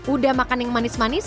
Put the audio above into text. udah makan yang manis manis